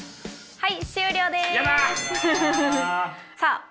はい。